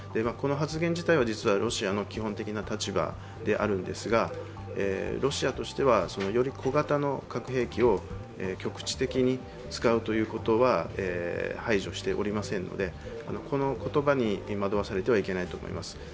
この発言自体は実はロシアの基本的な立場であるんですがロシアとしてはより小型の核兵器を局地的に使うということは排除しておりませんのでこの言葉に惑わされてはいけないと思います。